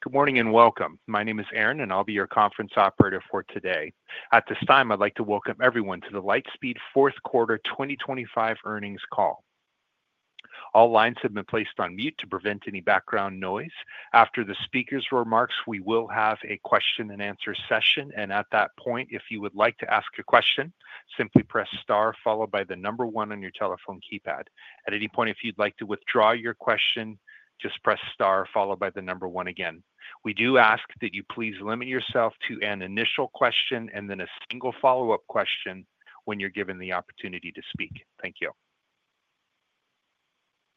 Good morning and welcome. My name is Aaron, and I'll be your conference operator for today. At this time, I'd like to welcome everyone to The Lightspeed Fourth Quarter 2025 Earnings Call. All lines have been placed on mute to prevent any background noise. After the speaker's remarks, we will have a question-and-answer session, and at that point, if you would like to ask a question, simply press star followed by the number one on your telephone keypad. At any point, if you'd like to withdraw your question, just press star followed by the number one again. We do ask that you please limit yourself to an initial question and then a single follow-up question when you're given the opportunity to speak. Thank you.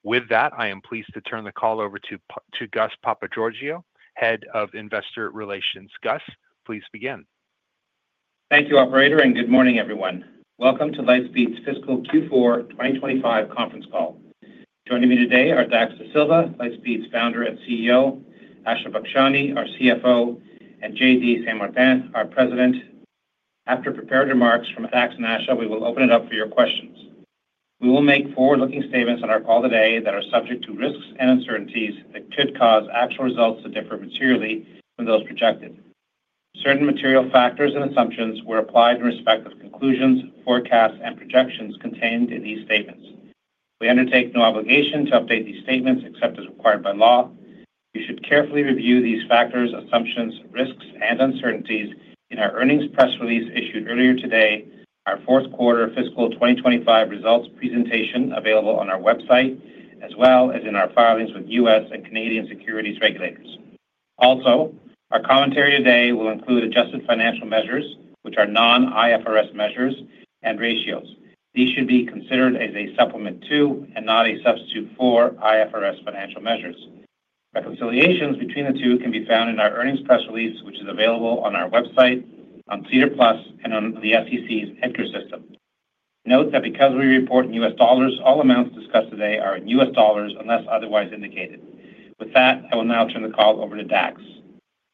With that, I am pleased to turn the call over to Gus Papageorgiou, Head of Investor Relations. Gus, please begin. Thank you, operator, and good morning, everyone. Welcome to Lightspeed's Fiscal Q4 2025 Conference Call. Joining me today are Dax Dasilva, Lightspeed's founder and CEO; Asha Bakshani, our CFO; and JD Saint-Martin, our President. After prepared remarks from Dax and Asha, we will open it up for your questions. We will make forward-looking statements on our call today that are subject to risks and uncertainties that could cause actual results to differ materially from those projected. Certain material factors and assumptions were applied in respect of conclusions, forecasts, and projections contained in these statements. We undertake no obligation to update these statements except as required by law. You should carefully review these factors, assumptions, risks, and uncertainties in our earnings press release issued earlier today, our fourth quarter fiscal 2025 results presentation available on our website, as well as in our filings with U.S. and Canadian securities regulators. Also, our commentary today will include adjusted financial measures, which are non-IFRS measures, and ratios. These should be considered as a supplement to and not a substitute for IFRS financial measures. Reconciliations between the two can be found in our earnings press release, which is available on our website, on SEDAR Plus, and on the SEC's EDGAR system. Note that because we report in U.S. dollars, all amounts discussed today are in U.S. dollars unless otherwise indicated. With that, I will now turn the call over to Dax.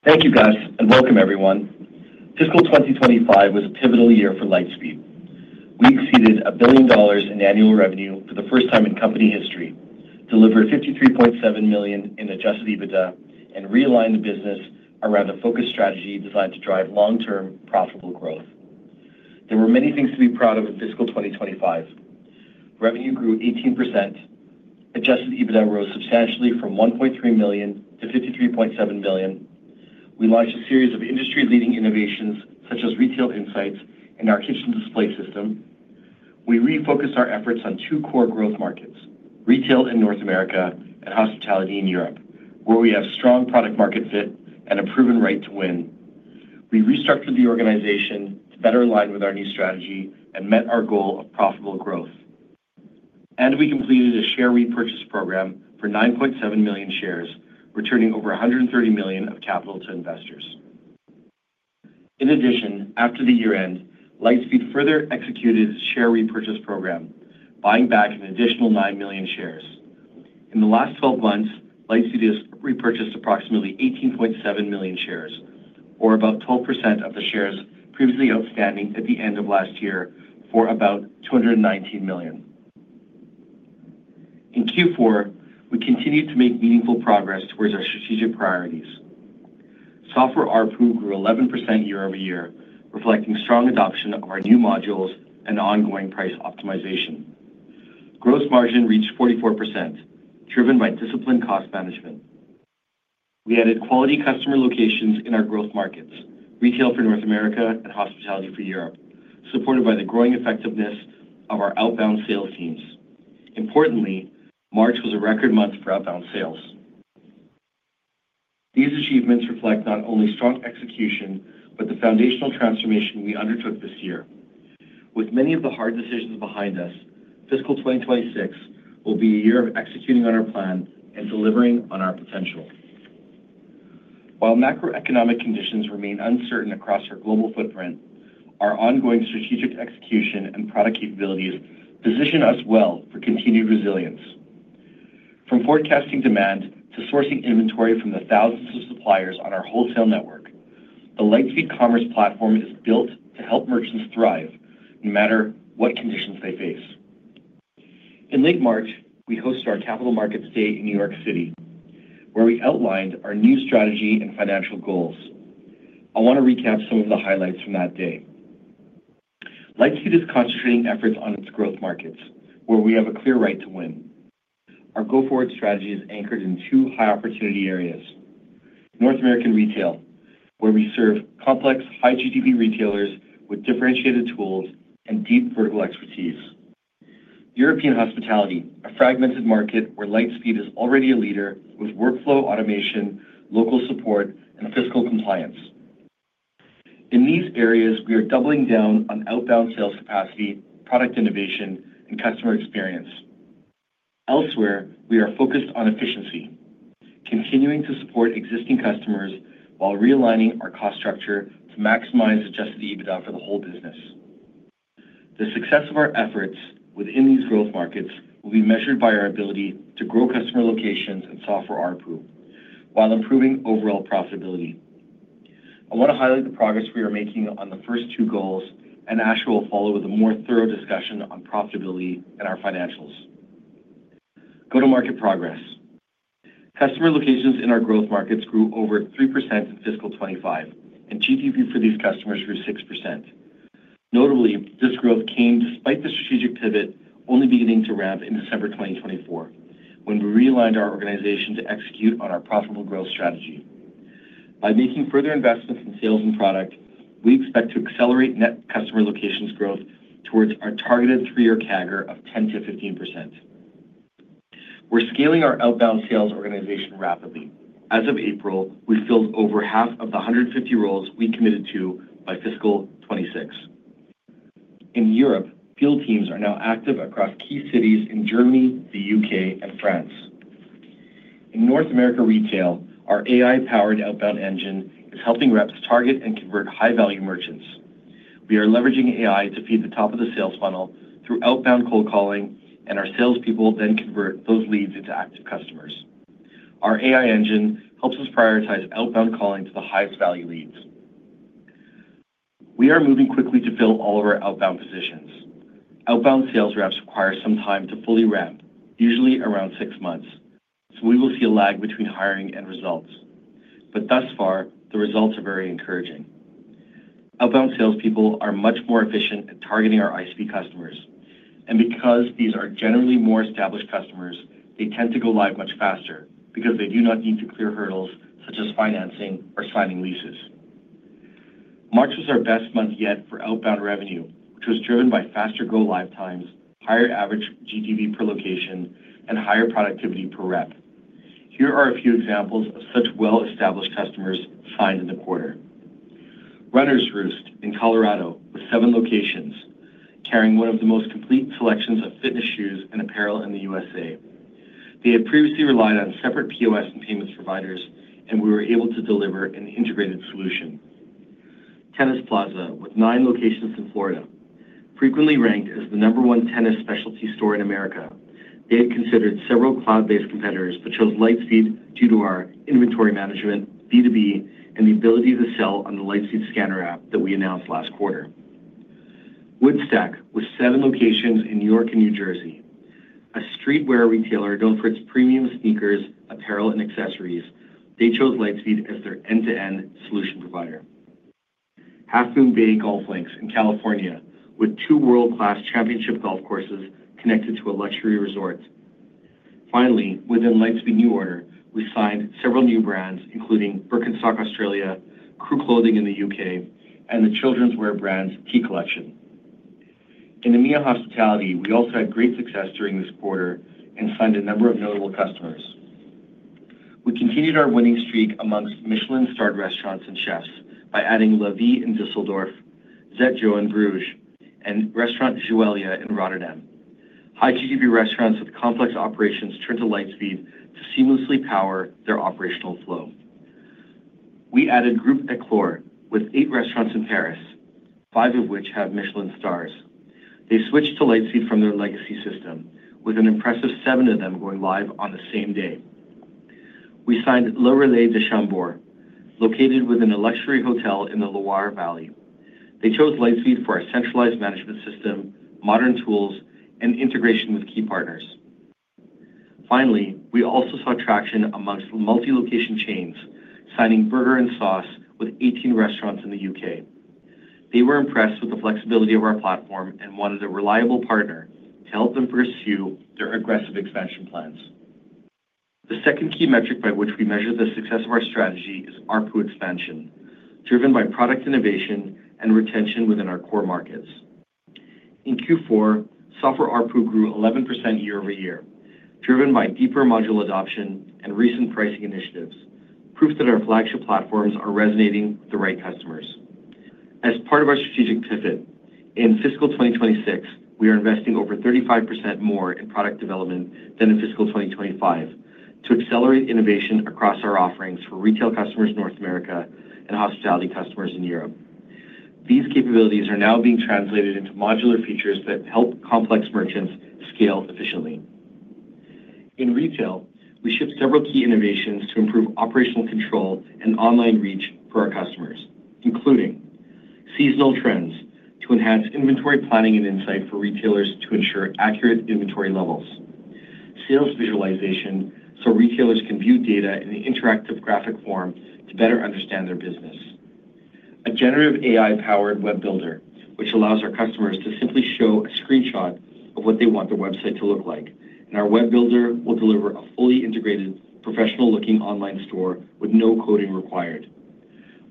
Thank you, Gus, and welcome, everyone. Fiscal 2025 was a pivotal year for Lightspeed. We exceeded $1 billion in annual revenue for the first time in company history, delivered $53.7 million in adjusted EBITDA, and realigned the business around a focused strategy designed to drive long-term profitable growth. There were many things to be proud of in fiscal 2025. Revenue grew 18%. Adjusted EBITDA rose substantially from $1.3 million to $53.7 million. We launched a series of industry-leading innovations such as Retail Insights and our Kitchen Display System. We refocused our efforts on two core growth markets: retail in North America and hospitality in Europe, where we have strong product-market fit and a proven right to win. We restructured the organization to better align with our new strategy and met our goal of profitable growth. We completed a share repurchase program for 9.7 million shares, returning over $130 million of capital to investors. In addition, after the year-end, Lightspeed further executed its share repurchase program, buying back an additional 9 million shares. In the last 12 months, Lightspeed has repurchased approximately 18.7 million shares, or about 12% of the shares previously outstanding at the end of last year, for about $219 million. In Q4, we continued to make meaningful progress towards our strategic priorities. Software RPU grew 11% year-over-year, reflecting strong adoption of our new modules and ongoing price optimization. Gross margin reached 44%, driven by disciplined cost management. We added quality customer locations in our growth markets: retail for North America and hospitality for Europe, supported by the growing effectiveness of our outbound sales teams. Importantly, March was a record month for outbound sales. These achievements reflect not only strong execution but the foundational transformation we undertook this year. With many of the hard decisions behind us, fiscal 2026 will be a year of executing on our plan and delivering on our potential. While macroeconomic conditions remain uncertain across our global footprint, our ongoing strategic execution and product capabilities position us well for continued resilience. From forecasting demand to sourcing inventory from the thousands of suppliers on our wholesale network, the Lightspeed Commerce platform is built to help merchants thrive no matter what conditions they face. In late March, we hosted our Capital Markets Day in New York City, where we outlined our new strategy and financial goals. I want to recap some of the highlights from that day. Lightspeed is concentrating efforts on its growth markets, where we have a clear right to win. Our go-forward strategy is anchored in two high-opportunity areas: North American retail, where we serve complex, high-GDP retailers with differentiated tools and deep vertical expertise; European hospitality, a fragmented market where Lightspeed is already a leader with workflow automation, local support, and fiscal compliance. In these areas, we are doubling down on outbound sales capacity, product innovation, and customer experience. Elsewhere, we are focused on efficiency, continuing to support existing customers while realigning our cost structure to maximize adjusted EBITDA for the whole business. The success of our efforts within these growth markets will be measured by our ability to grow customer locations and software RPU while improving overall profitability. I want to highlight the progress we are making on the first two goals, and Asha will follow with a more thorough discussion on profitability and our financials. Go to market progress. Customer locations in our growth markets grew over 3% in fiscal 2025, and GTV for these customers grew 6%. Notably, this growth came despite the strategic pivot only beginning to ramp in December 2024, when we realigned our organization to execute on our profitable growth strategy. By making further investments in sales and product, we expect to accelerate net customer locations growth towards our targeted three-year CAGR of 10%-15%. We're scaling our outbound sales organization rapidly. As of April, we filled over half of the 150 roles we committed to by fiscal 2026. In Europe, field teams are now active across key cities in Germany, the U.K., and France. In North America retail, our AI-powered outbound engine is helping reps target and convert high-value merchants. We are leveraging AI to feed the top of the sales funnel through outbound cold calling, and our salespeople then convert those leads into active customers. Our AI engine helps us prioritize outbound calling to the highest-value leads. We are moving quickly to fill all of our outbound positions. Outbound sales reps require some time to fully ramp, usually around six months, so we will see a lag between hiring and results. Thus far, the results are very encouraging. Outbound salespeople are much more efficient at targeting our ISV customers. Because these are generally more established customers, they tend to go live much faster because they do not need to clear hurdles such as financing or signing leases. March was our best month yet for outbound revenue, which was driven by faster go-live times, higher average GTV per location, and higher productivity per rep. Here are a few examples of such well-established customers signed in the quarter. Runners Roost in Colorado with seven locations, carrying one of the most complete selections of fitness shoes and apparel in the U.S.A. They had previously relied on separate POS and payments providers, and we were able to deliver an integrated solution. Tennis Plaza with nine locations in Florida, frequently ranked as the number one tennis specialty store in America. They had considered several cloud-based competitors but chose Lightspeed due to our inventory management, B2B, and the ability to sell on the Lightspeed Scanner App that we announced last quarter. Woodstack with seven locations in New York and New Jersey. A streetwear retailer known for its premium sneakers, apparel, and accessories, they chose Lightspeed as their end-to-end solution provider. Half Moon Bay Golf Links in California with two world-class championship golf courses connected to a luxury resort. Finally, within Lightspeed New Order, we signed several new brands, including Birkenstock Australia, Crew Clothing in the U.K., and the children's wear brand Key Collection. In EMEA Hospitality, we also had great success during this quarter and signed a number of notable customers. We continued our winning streak amongst Michelin-starred restaurants and chefs by adding La Vie in Düsseldorf, Zet'joe in Bruges, and Restaurant Joëlia in Rotterdam. High-GDP restaurants with complex operations turned to Lightspeed to seamlessly power their operational flow. We added Group Éclore with eight restaurants in Paris, five of which have Michelin stars. They switched to Lightspeed from their legacy system, with an impressive seven of them going live on the same day. We signed Le Relais de Chambord, located within a luxury hotel in the Loire Valley. They chose Lightspeed for our centralized management system, modern tools, and integration with key partners. Finally, we also saw traction amongst multi-location chains, signing Burger and Sauce with 18 restaurants in the U.K. They were impressed with the flexibility of our platform and wanted a reliable partner to help them pursue their aggressive expansion plans. The second key metric by which we measure the success of our strategy is RPU expansion, driven by product innovation and retention within our core markets. In Q4, software RPU grew 11% year-over-year, driven by deeper module adoption and recent pricing initiatives, proof that our flagship platforms are resonating with the right customers. As part of our strategic pivot, in fiscal 2026, we are investing over 35% more in product development than in fiscal 2025 to accelerate innovation across our offerings for retail customers in North America and hospitality customers in Europe. These capabilities are now being translated into modular features that help complex merchants scale efficiently. In retail, we shipped several key innovations to improve operational control and online reach for our customers, including seasonal trends to enhance inventory planning and insight for retailers to ensure accurate inventory levels, sales visualization so retailers can view data in interactive graphic form to better understand their business, a generative AI-powered Web Builder, which allows our customers to simply show a screenshot of what they want their website to look like. Our Web Builder will deliver a fully integrated, professional-looking online store with no coding required,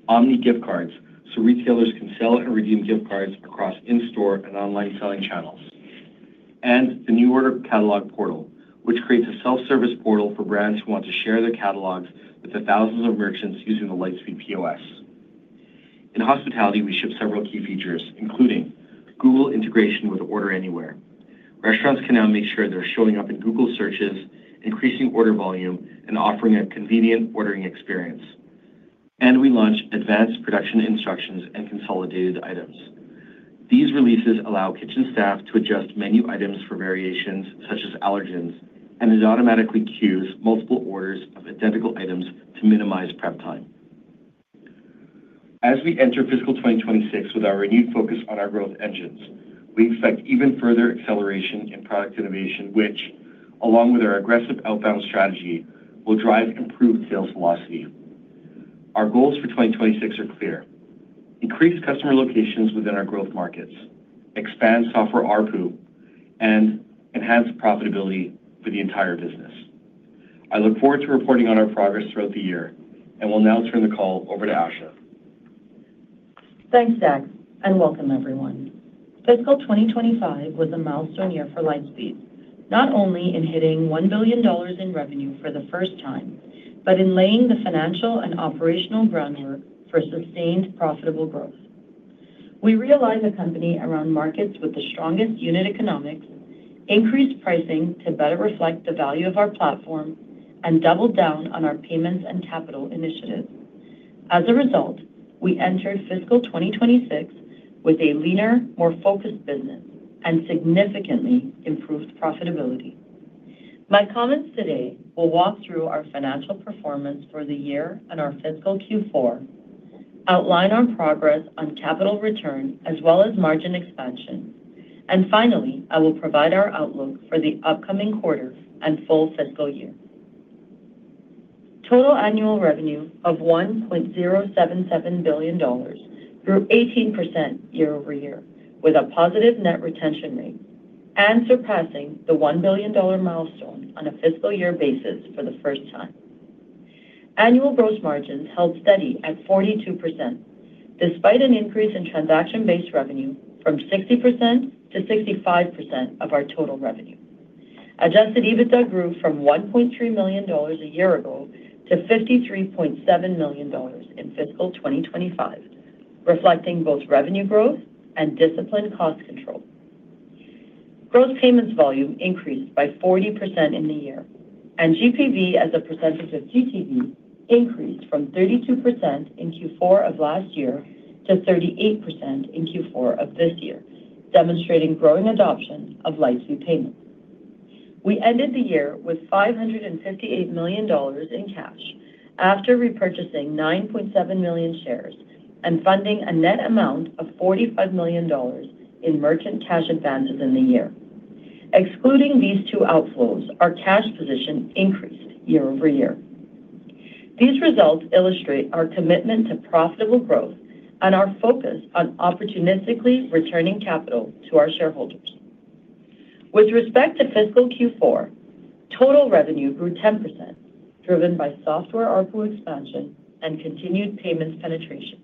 Omni Gift Cards so retailers can sell and redeem gift cards across in-store and online selling channels, and the New Order Catalog Portal, which creates a self-service portal for brands who want to share their catalogs with the thousands of merchants using the Lightspeed POS. In hospitality, we shipped several key features, including Google integration with Order Anywhere. Restaurants can now make sure they're showing up in Google searches, increasing order volume, and offering a convenient ordering experience. We launched advanced production instructions and consolidated items. These releases allow kitchen staff to adjust menu items for variations such as allergens, and it automatically queues multiple orders of identical items to minimize prep time. As we enter fiscal 2026 with our renewed focus on our growth engines, we expect even further acceleration in product innovation, which, along with our aggressive outbound strategy, will drive improved sales velocity. Our goals for 2026 are clear: increase customer locations within our growth markets, expand software RPU, and enhance profitability for the entire business. I look forward to reporting on our progress throughout the year, and we'll now turn the call over to Asha. Thanks, Dax, and welcome, everyone. Fiscal 2025 was a milestone year for Lightspeed, not only in hitting $1 billion in revenue for the first time, but in laying the financial and operational groundwork for sustained profitable growth. We realized a company around markets with the strongest unit economics, increased pricing to better reflect the value of our platform, and doubled down on our payments and capital initiatives. As a result, we entered fiscal 2026 with a leaner, more focused business and significantly improved profitability. My comments today will walk through our financial performance for the year and our fiscal Q4, outline our progress on capital return as well as margin expansion. Finally, I will provide our outlook for the upcoming quarter and full fiscal year. Total annual revenue of $1.077 billion grew 18% year-over-year with a positive net retention rate and surpassing the $1 billion milestone on a fiscal year basis for the first time. Annual gross margins held steady at 42% despite an increase in transaction-based revenue from 60% to 65% of our total revenue. Adjusted EBITDA grew from $1.3 million a year ago to $53.7 million in fiscal 2025, reflecting both revenue growth and disciplined cost control. Gross payments volume increased by 40% in the year, and GPV as a percentage of GTV increased from 32% in Q4 of last year to 38% in Q4 of this year, demonstrating growing adoption of Lightspeed Payments. We ended the year with $558 million in cash after repurchasing 9.7 million shares and funding a net amount of $45 million in merchant cash advances in the year. Excluding these two outflows, our cash position increased year-over-year. These results illustrate our commitment to profitable growth and our focus on opportunistically returning capital to our shareholders. With respect to fiscal Q4, total revenue grew 10%, driven by software RPU expansion and continued payments penetration.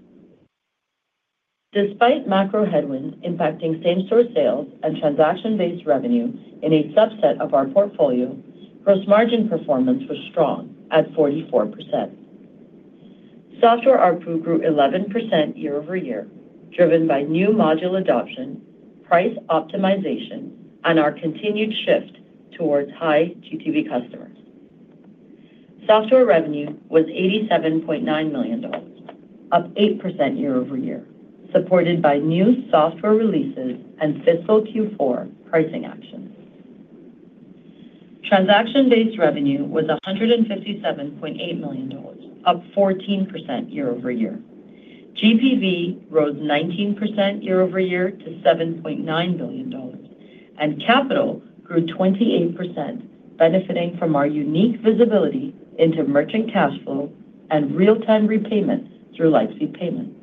Despite macro headwinds impacting same-store sales and transaction-based revenue in a subset of our portfolio, gross margin performance was strong at 44%. Software RPU grew 11% year-over-year, driven by new module adoption, price optimization, and our continued shift towards high-GDP customers. Software revenue was $87.9 million, up 8% year-over-year, supported by new software releases and fiscal Q4 pricing actions. Transaction-based revenue was $157.8 million, up 14% year-over-year. GPV rose 19% year-over-year to $7.9 billion, and capital grew 28%, benefiting from our unique visibility into merchant cash flow and real-time repayments through Lightspeed Payments.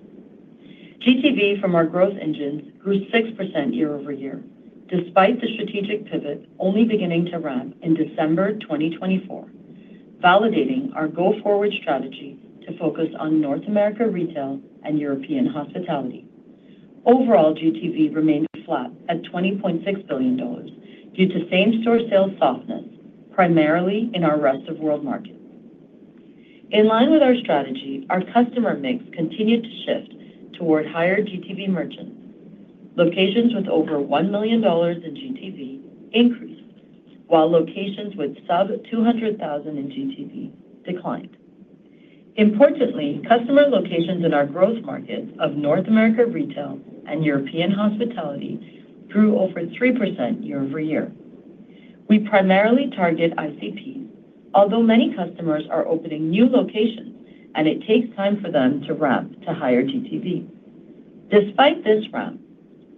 GTV from our growth engines grew 6% year-over-year, despite the strategic pivot only beginning to ramp in December 2024, validating our go-forward strategy to focus on North America retail and European hospitality. Overall, GTV remained flat at $20.6 billion due to same-store sales softness, primarily in our rest of world markets. In line with our strategy, our customer mix continued to shift toward higher-GDP merchants. Locations with over $1 million in GTV increased, while locations with sub-200,000 in GTV declined. Importantly, customer locations in our growth markets of North America retail and European hospitality grew over 3% year-over-year. We primarily target ISVs, although many customers are opening new locations, and it takes time for them to ramp to higher GTV. Despite this ramp,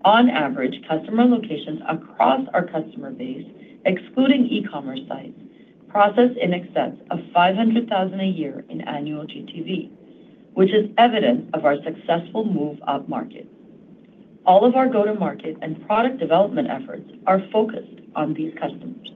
on average, customer locations across our customer base, excluding e-commerce sites, process in excess of $500,000 a year in annual GTV, which is evident of our successful move up market. All of our go-to-market and product development efforts are focused on these customers.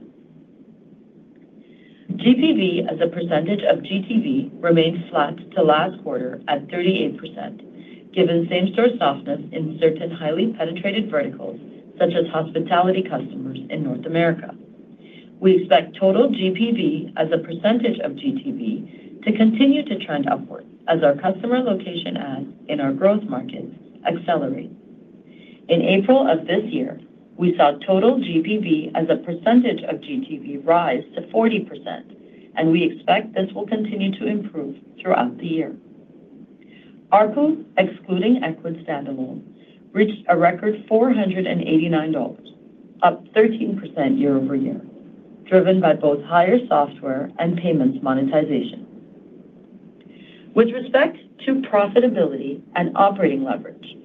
GPV, as a percentage of GTV, remained flat to last quarter at 38%, given same-store softness in certain highly penetrated verticals such as hospitality customers in North America. We expect total GPV, as a percentage of GTV, to continue to trend upward as our customer location adds in our growth markets accelerate. In April of this year, we saw total GPV, as a percentage of GTV, rise to 40%, and we expect this will continue to improve throughout the year. RPU, excluding Ecwid standalone, reached a record $489, up 13% year-over-year, driven by both higher software and payments monetization. With respect to profitability and operating leverage,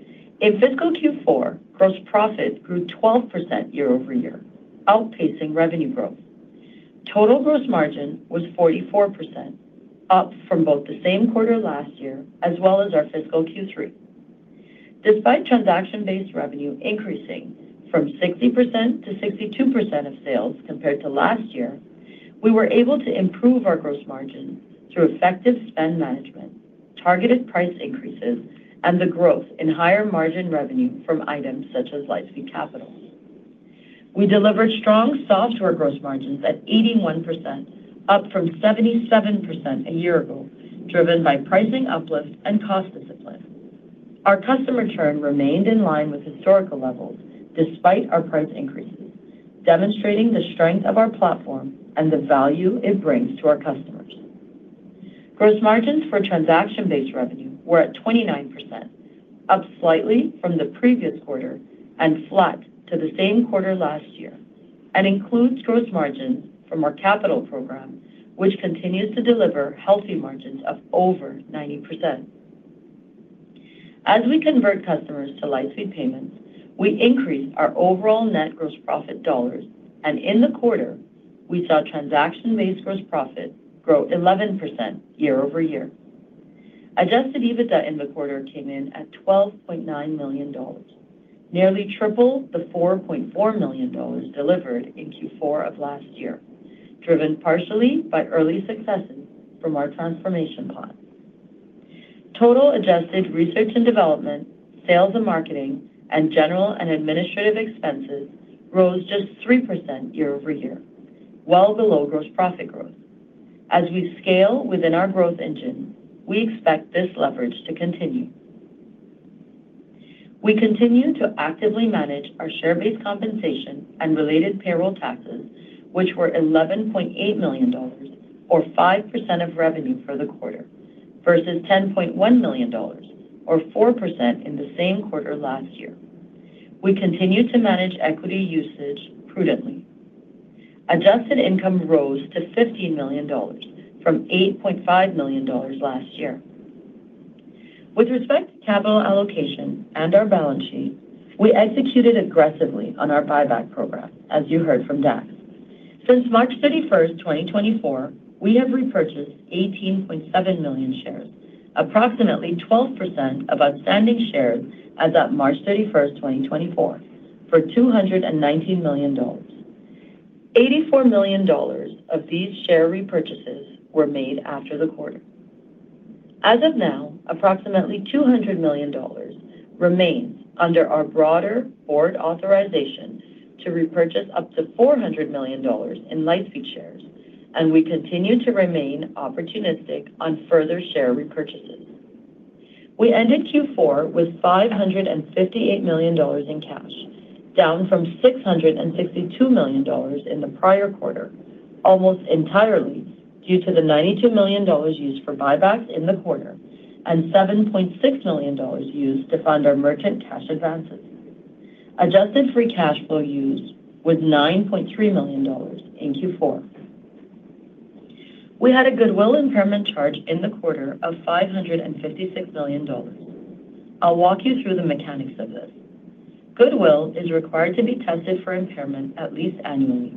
in fiscal Q4, gross profit grew 12% year-over-year, outpacing revenue growth. Total gross margin was 44%, up from both the same quarter last year as well as our fiscal Q3. Despite transaction-based revenue increasing from 60%-62% of sales compared to last year, we were able to improve our gross margin through effective spend management, targeted price increases, and the growth in higher margin revenue from items such as Lightspeed Capital. We delivered strong software gross margins at 81%, up from 77% a year ago, driven by pricing uplift and cost discipline. Our customer churn remained in line with historical levels despite our price increases, demonstrating the strength of our platform and the value it brings to our customers. Gross margins for transaction-based revenue were at 29%, up slightly from the previous quarter and flat to the same quarter last year, and includes gross margins from our capital program, which continues to deliver healthy margins of over 90%. As we convert customers to Lightspeed Payments, we increase our overall net gross profit dollars, and in the quarter, we saw transaction-based gross profit grow 11% year-over-year. Adjusted EBITDA in the quarter came in at $12.9 million, nearly triple the $4.4 million delivered in Q4 of last year, driven partially by early successes from our transformation plan. Total adjusted research and development, sales and marketing, and general and administrative expenses rose just 3% year-over-year, well below gross profit growth. As we scale within our growth engine, we expect this leverage to continue. We continue to actively manage our share-based compensation and related payroll taxes, which were $11.8 million, or 5% of revenue for the quarter, versus $10.1 million, or 4% in the same quarter last year. We continue to manage equity usage prudently. Adjusted income rose to $15 million from $8.5 million last year. With respect to capital allocation and our balance sheet, we executed aggressively on our buyback program, as you heard from Dax. Since March 31st, 2024, we have repurchased 18.7 million shares, approximately 12% of outstanding shares as of March 31, 2024, for $219 million. $84 million of these share repurchases were made after the quarter. As of now, approximately $200 million remains under our broader board authorization to repurchase up to $400 million in Lightspeed shares, and we continue to remain opportunistic on further share repurchases. We ended Q4 with $558 million in cash, down from $662 million in the prior quarter, almost entirely due to the $92 million used for buybacks in the quarter and $7.6 million used to fund our merchant cash advances. Adjusted free cash flow used was $9.3 million in Q4. We had a goodwill impairment charge in the quarter of $556 million. I'll walk you through the mechanics of this. Goodwill is required to be tested for impairment at least annually.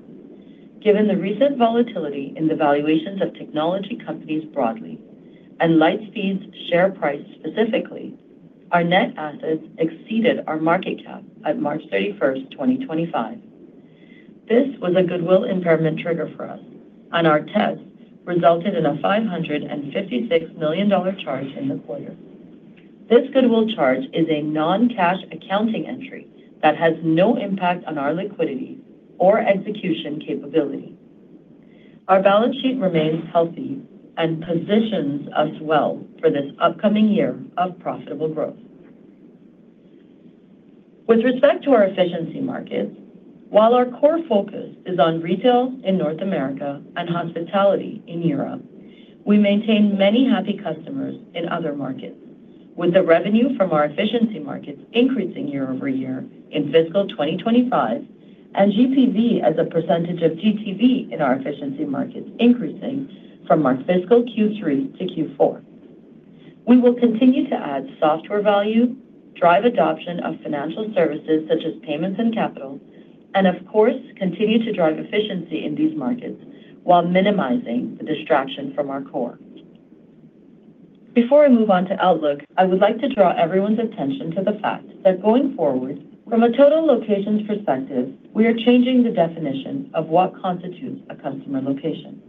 Given the recent volatility in the valuations of technology companies broadly and Lightspeed's share price specifically, our net assets exceeded our market cap at March 31, 2025. This was a goodwill impairment trigger for us, and our test resulted in a $556 million charge in the quarter. This goodwill charge is a non-cash accounting entry that has no impact on our liquidity or execution capability. Our balance sheet remains healthy and positions us well for this upcoming year of profitable growth. With respect to our efficiency markets, while our core focus is on retail in North America and hospitality in Europe, we maintain many happy customers in other markets, with the revenue from our efficiency markets increasing year-over-year in fiscal 2025 and GPV as a percentage of GTV in our efficiency markets increasing from our fiscal Q3 to Q4. We will continue to add software value, drive adoption of financial services such as payments and capital, and, of course, continue to drive efficiency in these markets while minimizing the distraction from our core. Before I move on to Outlook, I would like to draw everyone's attention to the fact that going forward, from a total locations perspective, we are changing the definition of what constitutes a customer location.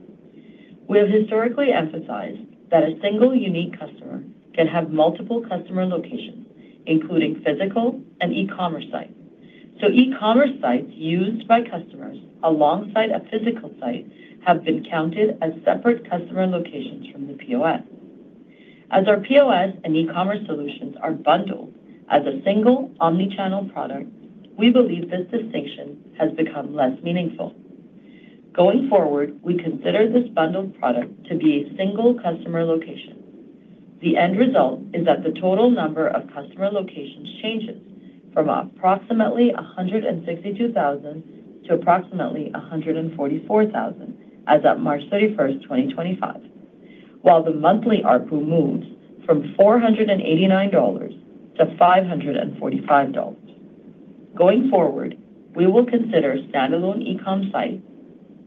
We have historically emphasized that a single unique customer can have multiple customer locations, including physical and e-commerce sites. E-commerce sites used by customers alongside a physical site have been counted as separate customer locations from the POS. As our POS and e-commerce solutions are bundled as a single omnichannel product, we believe this distinction has become less meaningful. Going forward, we consider this bundled product to be a single customer location. The end result is that the total number of customer locations changes from approximately 162,000 to approximately 144,000 as of March 31, 2025, while the monthly RPU moves from $489-$545. Going forward, we will consider standalone e-commerce sites,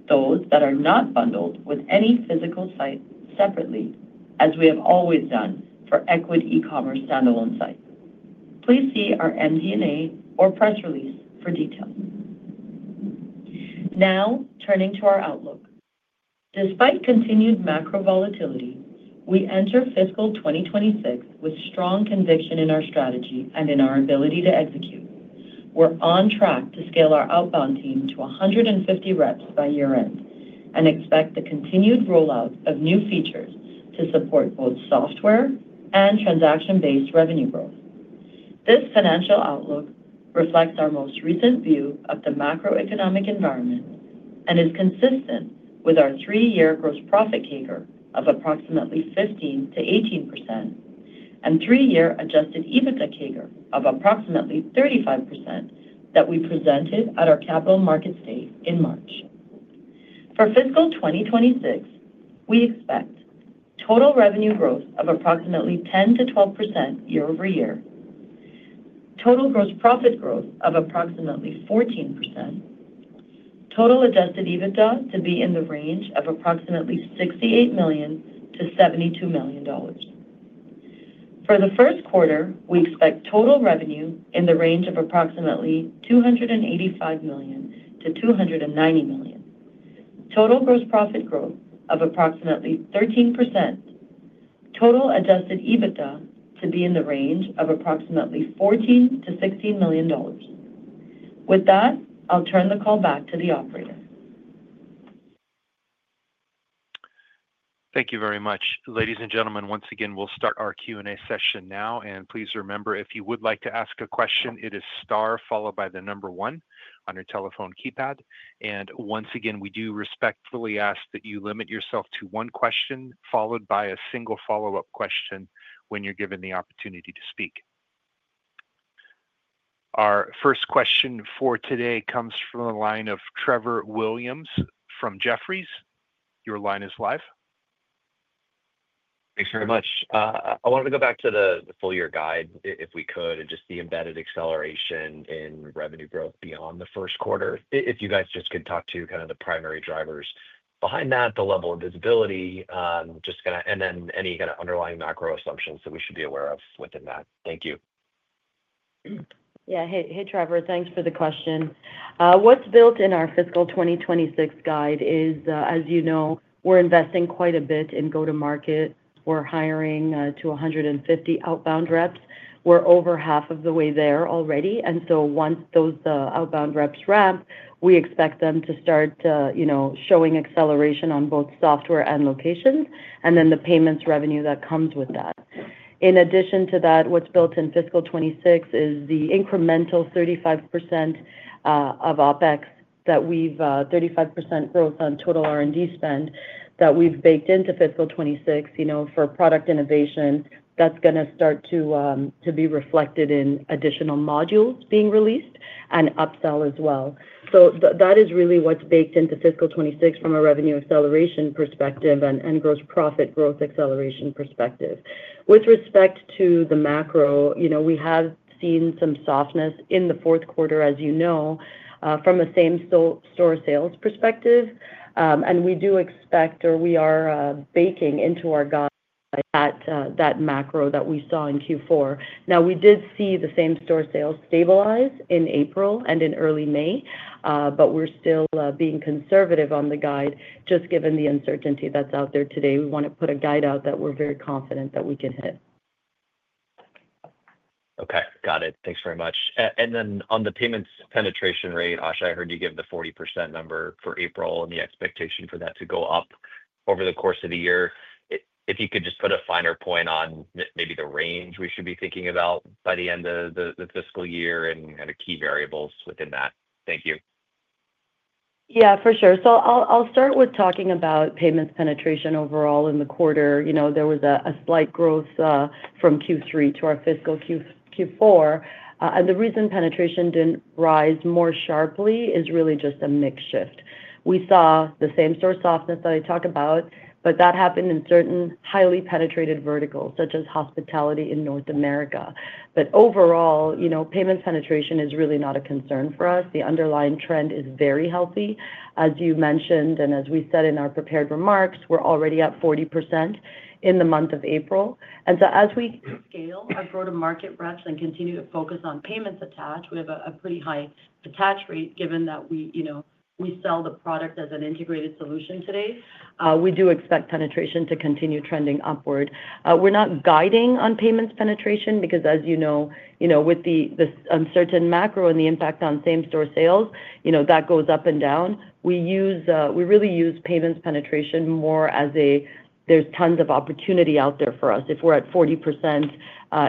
those that are not bundled with any physical site, separately, as we have always done for e-commerce standalone sites. Please see our MD&A or press release for details. Now, turning to our outlook. Despite continued macro volatility, we enter fiscal 2026 with strong conviction in our strategy and in our ability to execute. We're on track to scale our outbound team to 150 reps by year-end and expect the continued rollout of new features to support both software and transaction-based revenue growth. This financial outlook reflects our most recent view of the macroeconomic environment and is consistent with our three-year gross profit CAGR of approximately 15%-18% and three-year adjusted EBITDA CAGR of approximately 35% that we presented at our Capital Markets Day in March. For fiscal 2026, we expect total revenue growth of approximately 10%-12% year-over-year, total gross profit growth of approximately 14%, total adjusted EBITDA to be in the range of approximately $68 million-$72 million. For the first quarter, we expect total revenue in the range of approximately $285 million-$290 million, total gross profit growth of approximately 13%, total adjusted EBITDA to be in the range of approximately $14 million-$16 million. With that, I'll turn the call back to the operator. Thank you very much. Ladies and gentlemen, once again, we'll start our Q&A session now. Please remember, if you would like to ask a question, it is star followed by the number one on your telephone keypad. Once again, we do respectfully ask that you limit yourself to one question followed by a single follow-up question when you're given the opportunity to speak. Our first question for today comes from the line of Trevor Williams from Jefferies. Your line is live. Thanks very much. I wanted to go back to the full-year guide if we could, and just the embedded acceleration in revenue growth beyond the first quarter, if you guys just could talk to kind of the primary drivers behind that, the level of visibility, just kind of, and then any kind of underlying macro assumptions that we should be aware of within that. Thank you. Yeah. Hey, Trevor, thanks for the question. What's built in our fiscal 2026 guide is, as you know, we're investing quite a bit in go-to-market. We're hiring to 150 outbound reps. We're over half of the way there already. And so once those outbound reps ramp, we expect them to start showing acceleration on both software and locations, and then the payments revenue that comes with that. In addition to that, what's built in fiscal 2026 is the incremental 35% of OpEx that we've 35% growth on total R&D spend that we've baked into fiscal 2026 for product innovation. That's going to start to be reflected in additional modules being released and upsell as well. That is really what's baked into fiscal 2026 from a revenue acceleration perspective and gross profit growth acceleration perspective. With respect to the macro, we have seen some softness in the fourth quarter, as you know, from a same-store sales perspective. We do expect, or we are baking into our guide that macro that we saw in Q4. We did see the same-store sales stabilize in April and in early May, but we're still being conservative on the guide, just given the uncertainty that's out there today. We want to put a guide out that we're very confident that we can hit. Okay. Got it. Thanks very much. On the payments penetration rate, Asha, I heard you give the 40% number for April and the expectation for that to go up over the course of the year. If you could just put a finer point on maybe the range we should be thinking about by the end of the fiscal year and kind of key variables within that. Thank you. Yeah, for sure. I'll start with talking about payments penetration overall in the quarter. There was a slight growth from Q3 to our fiscal Q4. The reason penetration did not rise more sharply is really just a mixed shift. We saw the same-store softness that I talk about, but that happened in certain highly penetrated verticals, such as hospitality in North America. Overall, payments penetration is really not a concern for us. The underlying trend is very healthy, as you mentioned, and as we said in our prepared remarks, we're already at 40% in the month of April. As we scale our go-to-market reps and continue to focus on payments attached, we have a pretty high attach rate, given that we sell the product as an integrated solution today. We do expect penetration to continue trending upward. We're not guiding on payments penetration because, as you know, with the uncertain macro and the impact on same-store sales, that goes up and down. We really use payments penetration more as there's tons of opportunity out there for us. If we're at 40%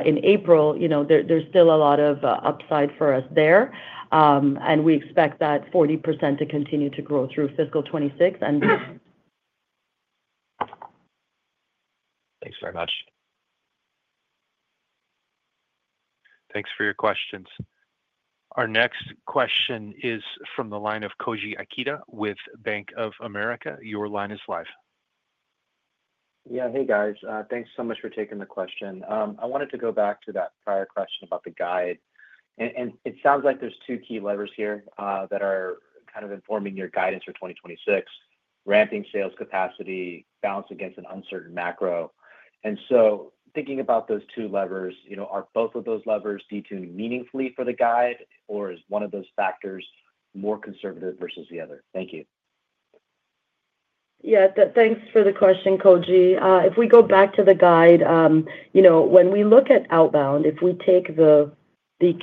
in April, there's still a lot of upside for us there. We expect that 40% to continue to grow through fiscal 2026. Thanks very much. Thanks for your questions. Our next question is from the line of Koji Ikeda with Bank of America. Your line is live. Yeah. Hey, guys. Thanks so much for taking the question. I wanted to go back to that prior question about the guide. It sounds like there are two key levers here that are kind of informing your guidance for 2026: ramping sales capacity, balanced against an uncertain macro. Thinking about those two levers, are both of those levers detuned meaningfully for the guide, or is one of those factors more conservative versus the other? Thank you. Yeah. Thanks for the question, Koji. If we go back to the guide, when we look at outbound, if we take the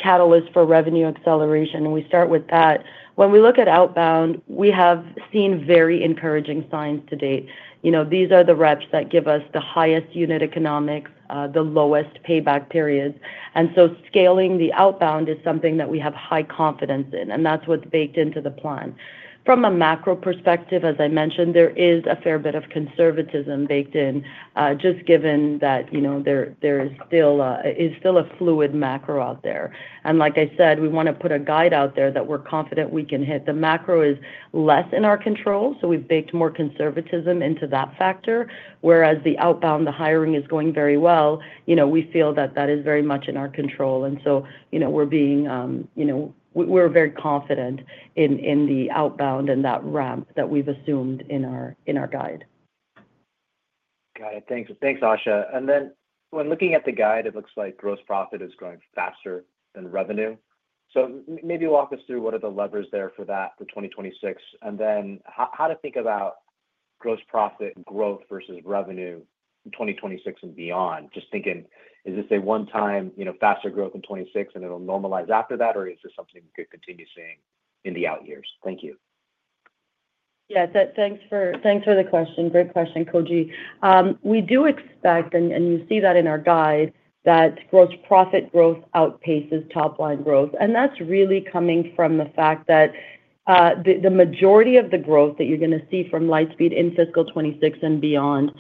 catalyst for revenue acceleration and we start with that, when we look at outbound, we have seen very encouraging signs to date. These are the reps that give us the highest unit economics, the lowest payback periods. Scaling the outbound is something that we have high confidence in, and that's what's baked into the plan. From a macro perspective, as I mentioned, there is a fair bit of conservatism baked in, just given that there is still a fluid macro out there. Like I said, we want to put a guide out there that we're confident we can hit. The macro is less in our control, so we've baked more conservatism into that factor. Whereas the outbound, the hiring is going very well, we feel that that is very much in our control. We're being, we're very confident in the outbound and that ramp that we've assumed in our guide. Got it. Thanks. Thanks, Asha. Then when looking at the guide, it looks like gross profit is growing faster than revenue. Maybe walk us through what are the levers there for that for 2026, and then how to think about gross profit growth versus revenue in 2026 and beyond. Just thinking, is this a one-time faster growth in 2026 and it'll normalize after that, or is this something we could continue seeing in the out years? Thank you. Yeah. Thanks for the question. Great question, Koji. We do expect, and you see that in our guide, that gross profit growth outpaces top-line growth. That's really coming from the fact that the majority of the growth that you're going to see from Lightspeed in fiscal 2026 and beyond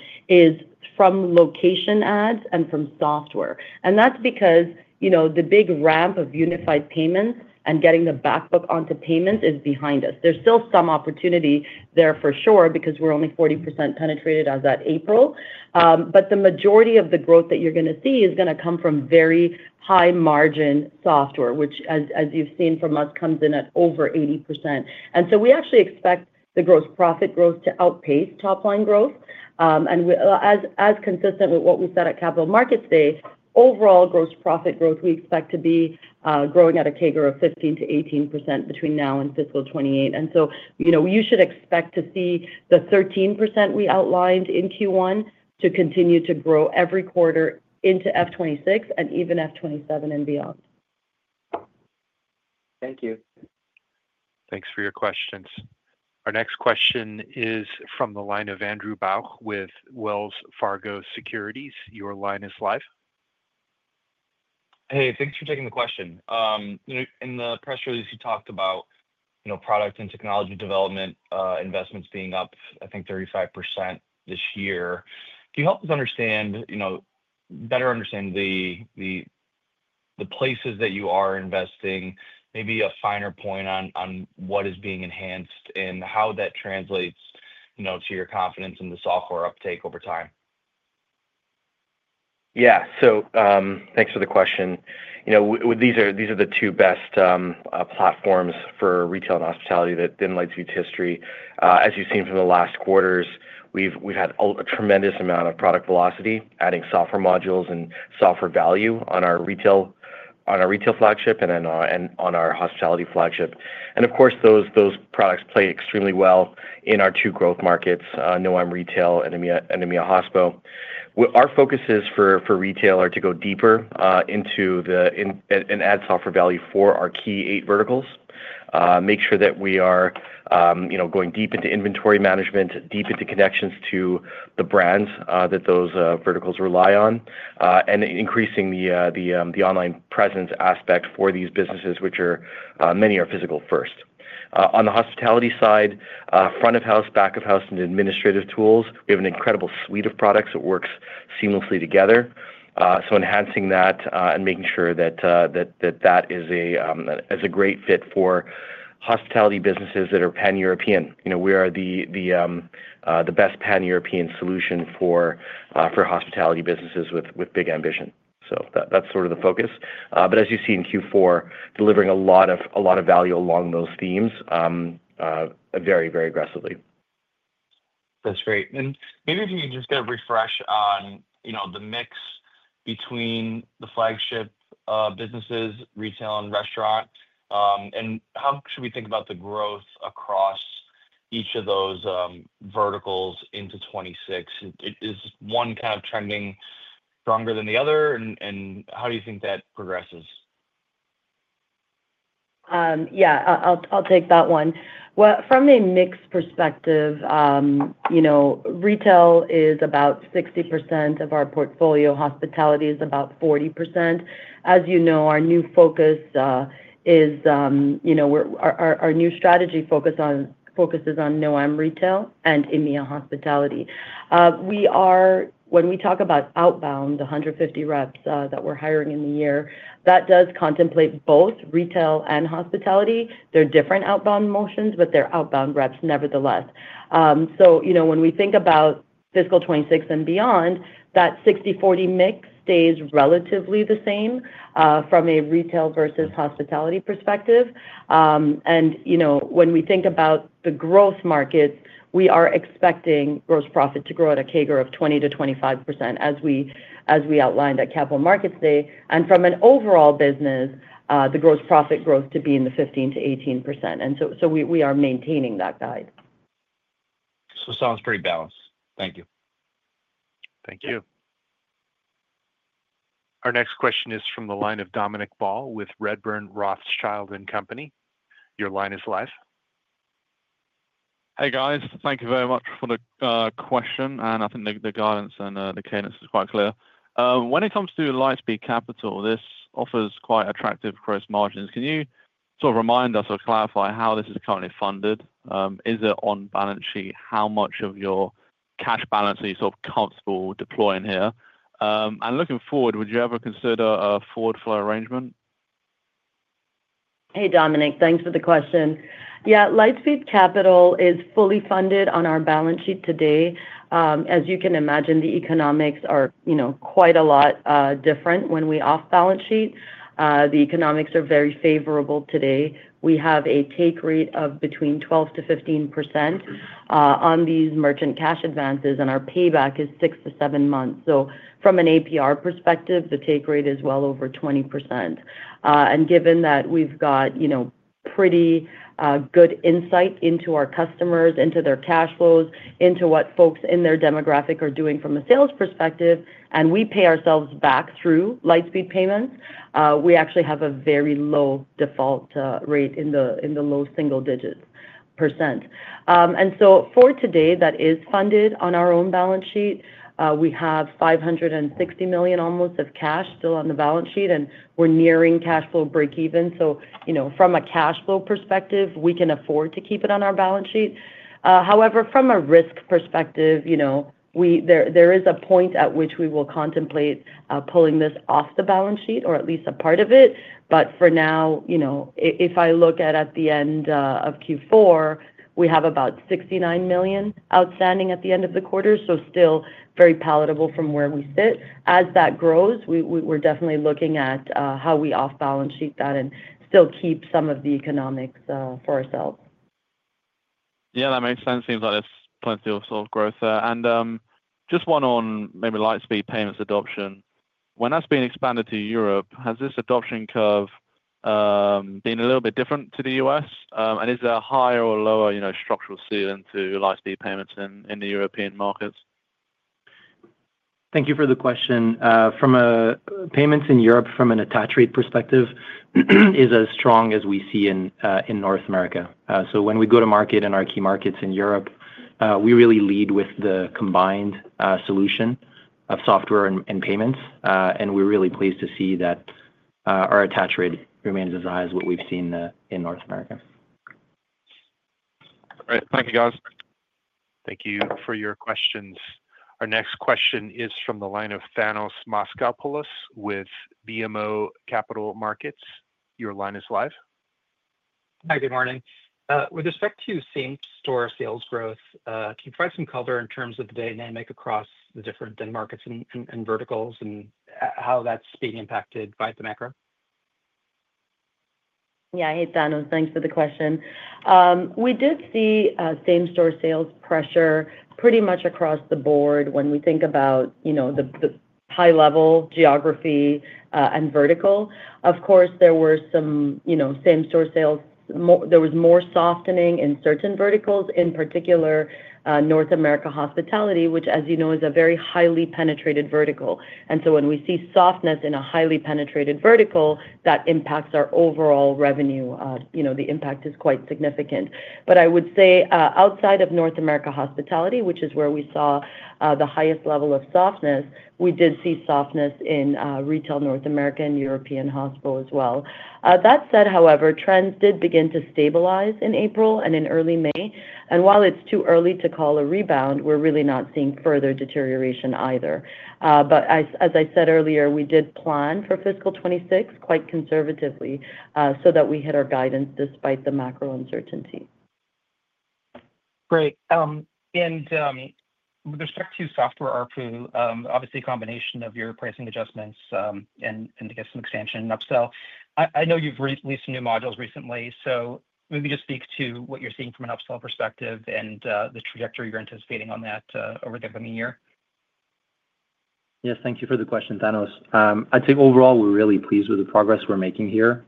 is from location ads and from software. That's because the big ramp of unified payments and getting the backbook onto payments is behind us. There's still some opportunity there for sure because we're only 40% penetrated as of April. The majority of the growth that you're going to see is going to come from very high-margin software, which, as you've seen from us, comes in at over 80%. We actually expect the gross profit growth to outpace top-line growth. As consistent with what we said at Capital Markets Day, overall gross profit growth, we expect to be growing at a CAGR of 15%-18% between now and fiscal 2028. You should expect to see the 13% we outlined in Q1 to continue to grow every quarter into F2026 and even F2027 and beyond. Thank you. Thanks for your questions. Our next question is from the line of Andrew Bauch with Wells Fargo Securities. Your line is live. Hey, thanks for taking the question. In the press release, you talked about product and technology development investments being up, I think, 35% this year. Can you help us understand, better understand the places that you are investing, maybe a finer point on what is being enhanced and how that translates to your confidence in the software uptake over time? Yeah. Thanks for the question. These are the two best platforms for retail and hospitality that then leads you to history. As you've seen from the last quarters, we've had a tremendous amount of product velocity, adding software modules and software value on our retail flagship and on our hospitality flagship. Of course, those products play extremely well in our two growth markets, North America retail and EMEA hospitality. Our focuses for retail are to go deeper into and add software value for our key eight verticals, make sure that we are going deep into inventory management, deep into connections to the brands that those verticals rely on, and increasing the online presence aspect for these businesses, which many are physical-first. On the hospitality side, front-of-house, back-of-house, and administrative tools, we have an incredible suite of products that works seamlessly together. Enhancing that and making sure that that is a great fit for hospitality businesses that are pan-European. We are the best pan-European solution for hospitality businesses with big ambition. That is sort of the focus. As you see in Q4, delivering a lot of value along those themes very, very aggressively. That's great. Maybe if you can just get a refresh on the mix between the flagship businesses, retail and restaurant, and how should we think about the growth across each of those verticals into 2026? Is one kind of trending stronger than the other, and how do you think that progresses? Yeah. I'll take that one. From a mix perspective, retail is about 60% of our portfolio. Hospitality is about 40%. As you know, our new focus is our new strategy focuses on North America Retail and EMEA Hospitality. When we talk about outbound, the 150 reps that we're hiring in the year, that does contemplate both retail and hospitality. They're different outbound motions, but they're outbound reps nevertheless. When we think about fiscal 2026 and beyond, that 60/40 mix stays relatively the same from a retail versus hospitality perspective. When we think about the growth markets, we are expecting gross profit to grow at a CAGR of 20%-25%, as we outlined at Capital Markets Day. From an overall business, the gross profit growth to be in the 15%-18%. We are maintaining that guide. It sounds pretty balanced. Thank you. Thank you. Our next question is from the line of Dominic Ball with Redburn Rothschild & Company. Your line is live. Hey, guys. Thank you very much for the question. I think the guidance and the cadence is quite clear. When it comes to Lightspeed Capital, this offers quite attractive gross margins. Can you sort of remind us or clarify how this is currently funded? Is it on balance sheet? How much of your cash balance are you sort of comfortable deploying here? Looking forward, would you ever consider a forward flow arrangement? Hey, Dominic. Thanks for the question. Yeah. Lightspeed Capital is fully funded on our balance sheet today. As you can imagine, the economics are quite a lot different when we off-balance sheet. The economics are very favorable today. We have a take rate of between 12%-15% on these merchant cash advances, and our payback is six to seven months. From an APR perspective, the take rate is well over 20%. Given that we have pretty good insight into our customers, into their cash flows, into what folks in their demographic are doing from a sales perspective, and we pay ourselves back through Lightspeed Payments, we actually have a very low default rate in the low single-digit percent. For today, that is funded on our own balance sheet. We have $560 million almost of cash still on the balance sheet, and we're nearing cash flow break-even. From a cash flow perspective, we can afford to keep it on our balance sheet. However, from a risk perspective, there is a point at which we will contemplate pulling this off the balance sheet or at least a part of it. For now, if I look at the end of Q4, we have about $69 million outstanding at the end of the quarter, so still very palatable from where we sit. As that grows, we're definitely looking at how we off-balance sheet that and still keep some of the economics for ourselves. Yeah, that makes sense. Seems like there's plenty of sort of growth there. Just one on maybe Lightspeed Payments adoption. When that's being expanded to Europe, has this adoption curve been a little bit different to the U.S.? Is there a higher or lower structural ceiling to Lightspeed Payments in the European markets? Thank you for the question. From a payments in Europe, from an attach rate perspective, is as strong as we see in North America. When we go to market in our key markets in Europe, we really lead with the combined solution of software and payments. We're really pleased to see that our attach rate remains as high as what we've seen in North America. Great. Thank you, guys. Thank you for your questions. Our next question is from the line of Thanos Moschopoulos with BMO Capital Markets. Your line is live. Hi, good morning. With respect to same-store sales growth, can you provide some color in terms of the dynamic across the different markets and verticals and how that's being impacted by the macro? Yeah. Hey, Thanos. Thanks for the question. We did see same-store sales pressure pretty much across the board when we think about the high-level geography and vertical. Of course, there were some same-store sales. There was more softening in certain verticals, in particular North America Hospitality, which, as you know, is a very highly penetrated vertical. When we see softness in a highly penetrated vertical, that impacts our overall revenue. The impact is quite significant. I would say outside of North America Hospitality, which is where we saw the highest level of softness, we did see softness in retail North America and European hospital as well. That said, however, trends did begin to stabilize in April and in early May. While it's too early to call a rebound, we're really not seeing further deterioration either. As I said earlier, we did plan for fiscal 2026 quite conservatively so that we hit our guidance despite the macro uncertainty. Great. With respect to software RPU, obviously a combination of your pricing adjustments and, I guess, some expansion in upsell. I know you've released some new modules recently. Maybe just speak to what you're seeing from an upsell perspective and the trajectory you're anticipating on that over the coming year. Yes. Thank you for the question, Thanos. I'd say overall, we're really pleased with the progress we're making here.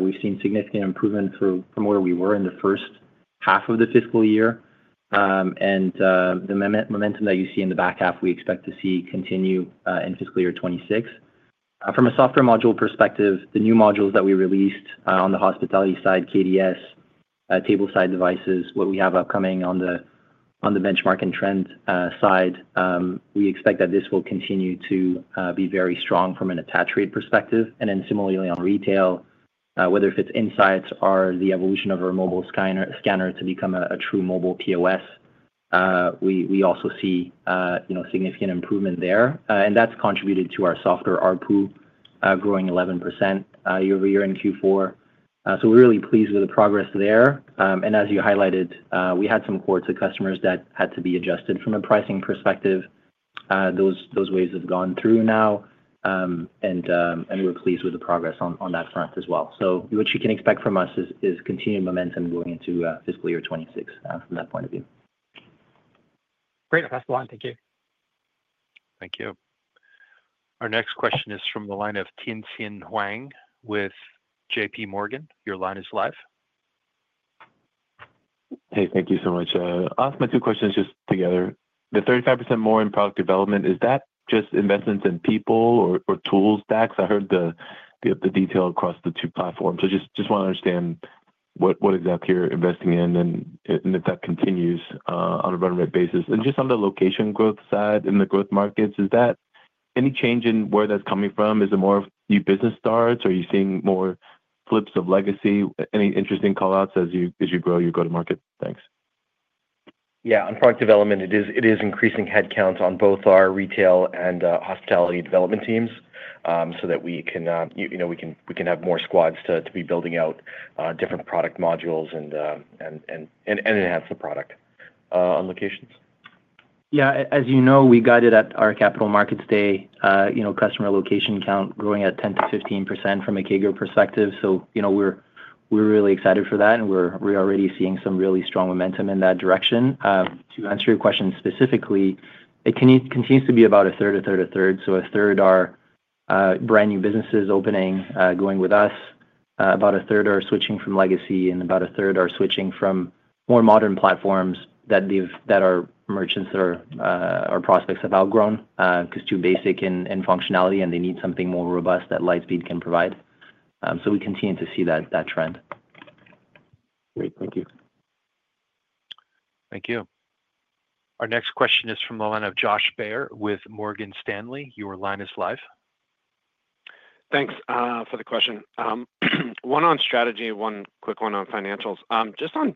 We've seen significant improvement from where we were in the first half of the fiscal year. The momentum that you see in the back half, we expect to see continue in fiscal year 2026. From a software module perspective, the new modules that we released on the hospitality side, KDS, table-side devices, what we have upcoming on the benchmark and trend side, we expect that this will continue to be very strong from an attach rate perspective. Similarly on retail, whether it is insights or the evolution of our mobile scanner to become a true mobile POS, we also see significant improvement there. That has contributed to our software RPU growing 11% year over year in Q4. We are really pleased with the progress there. As you highlighted, we had some quarter customers that had to be adjusted from a pricing perspective. Those waves have gone through now, and we are pleased with the progress on that front as well. What you can expect from us is continued momentum going into fiscal year 2026 from that point of view. Great. That's the line. Thank you. Thank you. Our next question is from the line of Tien-Tsin Huang with JP Morgan. Your line is live. Hey, thank you so much. I'll ask my two questions just together. The 35% more in product development, is that just investments in people or tools stacks? I heard the detail across the two platforms. I just want to understand what exactly you're investing in and if that continues on a run rate basis. Just on the location growth side in the growth markets, is that any change in where that's coming from? Is it more of new business starts? Are you seeing more flips of legacy? Any interesting callouts as you grow your go-to-market? Thanks. On product development, it is increasing headcounts on both our retail and hospitality development teams so that we can have more squads to be building out different product modules and enhance the product on locations. Yeah. As you know, we guided at our Capital Markets Day, customer location count growing at 10%-15% from a CAGR perspective. We are really excited for that, and we are already seeing some really strong momentum in that direction. To answer your question specifically, it continues to be about a third, a third, a third. A third are brand new businesses opening, going with us. About a third are switching from legacy, and about a third are switching from more modern platforms that our merchants or our prospects have outgrown because too basic in functionality, and they need something more robust that Lightspeed can provide. We continue to see that trend. Great. Thank you. Thank you. Our next question is from the line of Josh Baer with Morgan Stanley. Your line is live. Thanks for the question. One on strategy, one quick one on financials. Just on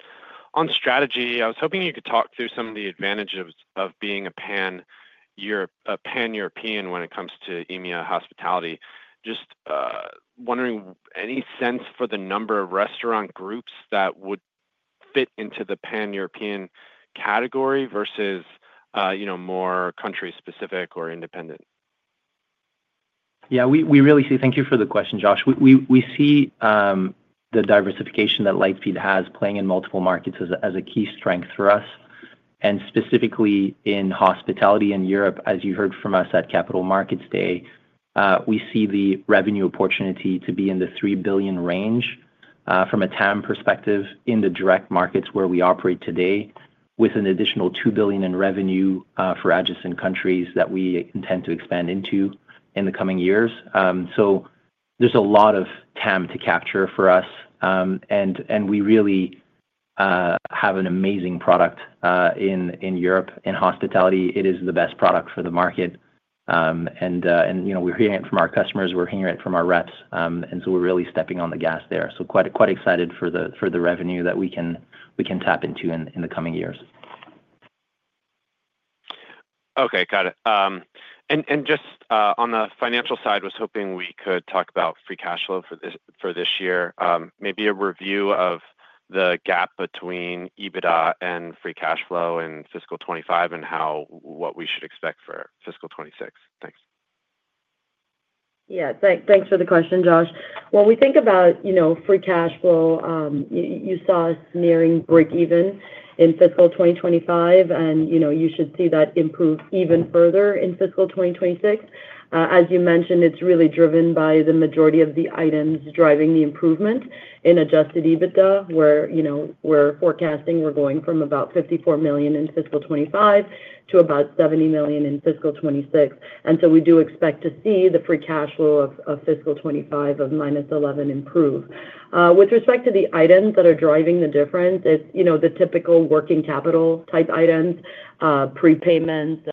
strategy, I was hoping you could talk through some of the advantages of being a pan-European when it comes to EMEA Hospitality. Just wondering, any sense for the number of restaurant groups that would fit into the pan-European category versus more country-specific or independent? Yeah. Thank you for the question, Josh. We see the diversification that Lightspeed has playing in multiple markets as a key strength for us. Specifically in hospitality in Europe, as you heard from us at Capital Markets Day, we see the revenue opportunity to be in the $3 billion range from a TAM perspective in the direct markets where we operate today, with an additional $2 billion in revenue for adjacent countries that we intend to expand into in the coming years. There is a lot of TAM to capture for us. We really have an amazing product in Europe. In hospitality, it is the best product for the market. We are hearing it from our customers. We are hearing it from our reps. We are really stepping on the gas there. Quite excited for the revenue that we can tap into in the coming years. Okay. Got it. Just on the financial side, I was hoping we could talk about free cash flow for this year. Maybe a review of the gap between EBITDA and free cash flow in fiscal 2025 and what we should expect for fiscal 2026. Thanks. Yeah. Thanks for the question, Josh. When we think about free cash flow, you saw us nearing break-even in fiscal 2025, and you should see that improve even further in fiscal 2026. As you mentioned, it's really driven by the majority of the items driving the improvement in adjusted EBITDA, where we're forecasting we're going from about $54 million in fiscal 2025 to about $70 million in fiscal 2026. We do expect to see the free cash flow of fiscal 2025 of minus $11 million improve. With respect to the items that are driving the difference, it's the typical working capital type items, prepayments,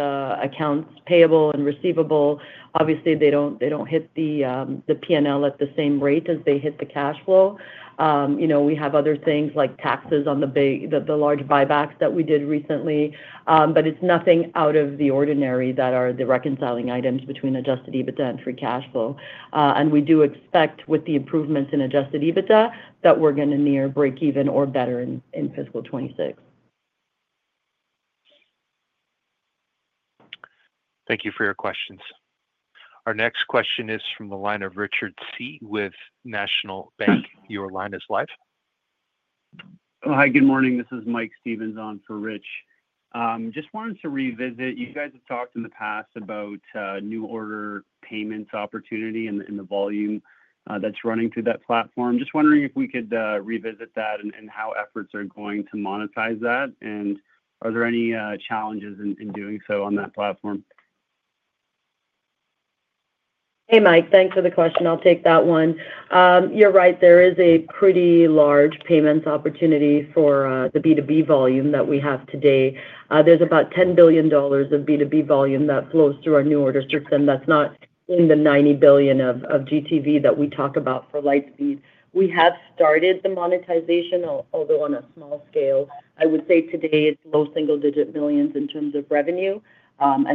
accounts payable, and receivable. Obviously, they don't hit the P&L at the same rate as they hit the cash flow. We have other things like taxes on the large buybacks that we did recently. It is nothing out of the ordinary that are the reconciling items between adjusted EBITDA and free cash flow. We do expect, with the improvements in adjusted EBITDA, that we are going to near break-even or better in fiscal 2026. Thank you for your questions. Our next question is from the line of Richard C. with National Bank. Your line is live. Hi, good morning. This is Mike Stevens on for Rich. Just wanted to revisit. You guys have talked in the past about new order payments opportunity and the volume that is running through that platform. Just wondering if we could revisit that and how efforts are going to monetize that. Are there any challenges in doing so on that platform? Hey, Mike. Thanks for the question. I will take that one. You are right. There is a pretty large payments opportunity for the B2B volume that we have today. There's about $10 billion of B2B volume that flows through our new order system. That's not in the $90 billion of GTV that we talk about for Lightspeed. We have started the monetization, although on a small scale. I would say today it's low single-digit millions in terms of revenue.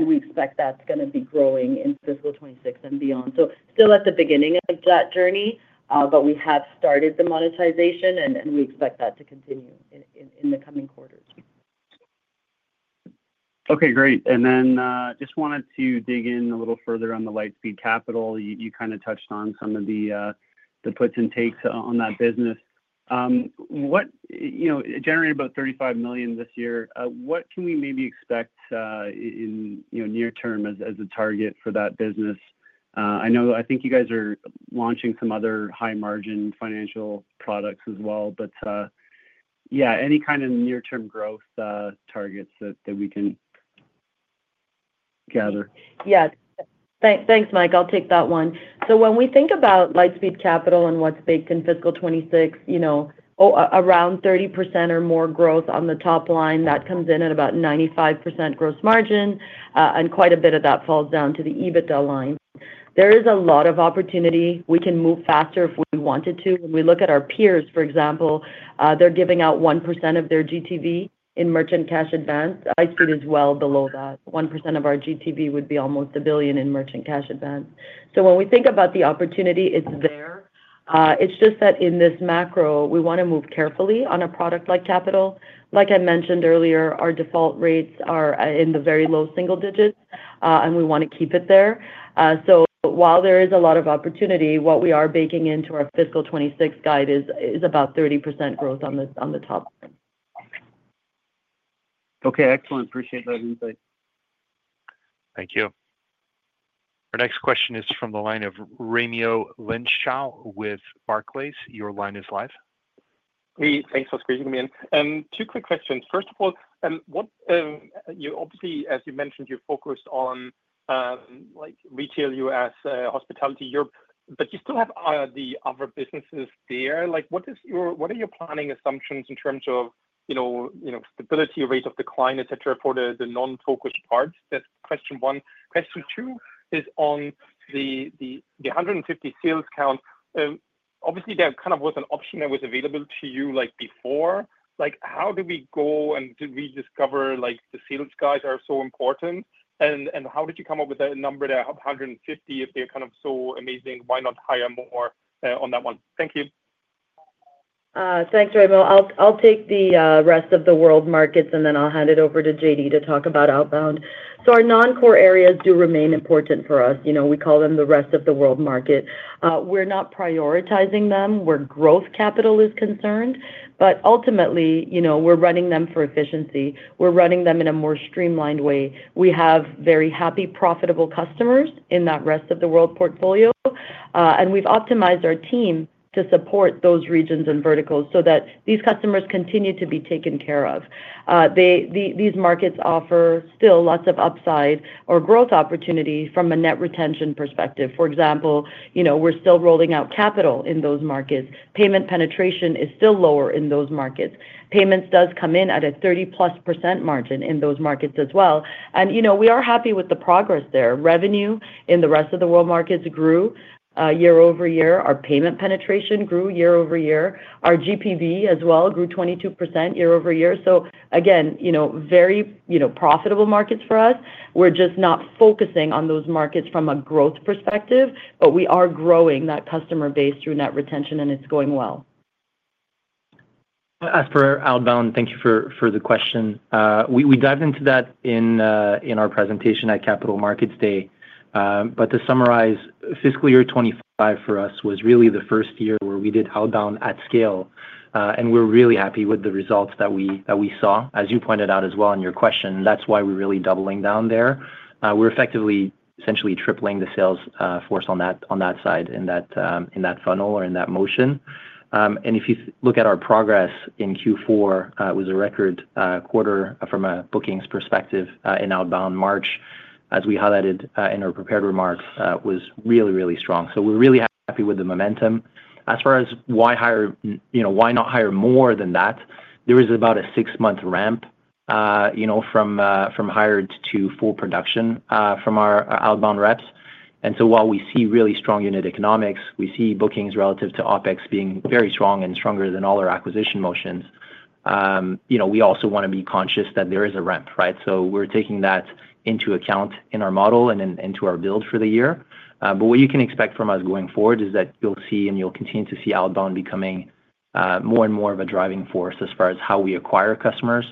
We expect that's going to be growing in fiscal 2026 and beyond. Still at the beginning of that journey, but we have started the monetization, and we expect that to continue in the coming quarters. Okay. Great. Then just wanted to dig in a little further on the Lightspeed Capital. You kind of touched on some of the puts and takes on that business. Generating about $35 million this year, what can we maybe expect in near term as a target for that business? I think you guys are launching some other high-margin financial products as well. Yeah, any kind of near-term growth targets that we can gather? Yeah. Thanks, Mike. I'll take that one. When we think about Lightspeed Capital and what's baked in fiscal 2026, around 30% or more growth on the top line, that comes in at about 95% gross margin. Quite a bit of that falls down to the EBITDA line. There is a lot of opportunity. We can move faster if we wanted to. When we look at our peers, for example, they're giving out 1% of their GTV in merchant cash advance. Lightspeed is well below that. 1% of our GTV would be almost $1 billion in merchant cash advance. When we think about the opportunity, it's there. It's just that in this macro, we want to move carefully on a product like Capital. Like I mentioned earlier, our default rates are in the very low single digits, and we want to keep it there. While there is a lot of opportunity, what we are baking into our fiscal 2026 guide is about 30% growth on the top line. Okay. Excellent. Appreciate that insight. Thank you. Our next question is from the line of Raimo Lenschow with Barclays. Your line is live. Hey, thanks for squeezing me in. Two quick questions. First of all, obviously, as you mentioned, you focused on retail U.S., hospitality Europe, but you still have the other businesses there. What are your planning assumptions in terms of stability, rate of decline, etc., for the non-focused parts? That's question one. Question two is on the 150 sales count. Obviously, that kind of was an option that was available to you before. How did we go and rediscover the sales guys are so important? And how did you come up with a number that 150, if they're kind of so amazing, why not hire more on that one? Thank you. Thanks, Raimo. I'll take the rest of the world markets, and then I'll hand it over to JD to talk about outbound. Our non-core areas do remain important for us. We call them the rest of the world market. We're not prioritizing them where growth capital is concerned. Ultimately, we're running them for efficiency. We're running them in a more streamlined way. We have very happy, profitable customers in that rest of the world portfolio. We have optimized our team to support those regions and verticals so that these customers continue to be taken care of. These markets offer still lots of upside or growth opportunity from a net retention perspective. For example, we are still rolling out capital in those markets. Payment penetration is still lower in those markets. Payments does come in at a 30%+ margin in those markets as well. We are happy with the progress there. Revenue in the rest of the world markets grew year-over-year. Our payment penetration grew year-over-year. Our GPV as well grew 22% year over year. Very profitable markets for us. We are just not focusing on those markets from a growth perspective, but we are growing that customer base through net retention, and it is going well. As for outbound, thank you for the question. We dived into that in our presentation at Capital Markets Day. To summarize, fiscal year 2025 for us was really the first year where we did outbound at scale. We're really happy with the results that we saw. As you pointed out as well in your question, that's why we're really doubling down there. We're effectively essentially tripling the sales force on that side in that funnel or in that motion. If you look at our progress in Q4, it was a record quarter from a bookings perspective in outbound. March, as we highlighted in our prepared remarks, was really, really strong. We're really happy with the momentum. As far as why not hire more than that, there is about a six-month ramp from hired to full production from our outbound reps. While we see really strong unit economics, we see bookings relative to OpEx being very strong and stronger than all our acquisition motions, we also want to be conscious that there is a ramp, right? We are taking that into account in our model and into our build for the year. What you can expect from us going forward is that you will see and you will continue to see outbound becoming more and more of a driving force as far as how we acquire customers.